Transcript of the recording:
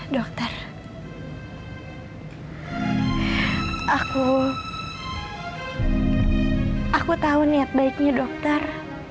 dokter aku tahu niat baiknya dokter